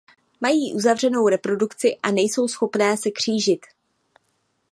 Mají uzavřenou reprodukci a nejsou schopné se křížit.